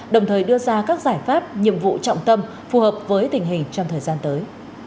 đồng thời đưa ra các giải pháp nhiệm vụ trọng tâm phù hợp với tình hình trong thời gian tới